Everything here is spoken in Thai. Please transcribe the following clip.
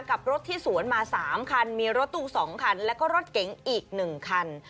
กับรถที่สวนมา๓คันมีรถตู้๒คันแล้วก็รถเก๋งอีก๑คัน